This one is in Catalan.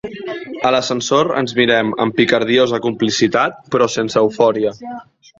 A l'ascensor ens mirem amb picardiosa complicitat però sense eufòria.